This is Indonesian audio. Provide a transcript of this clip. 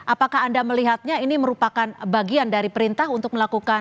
apakah anda melihatnya ini merupakan bagian dari perintah untuk melakukan